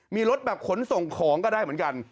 มีรถแบบขนส่งของก็ได้เหมือนกัน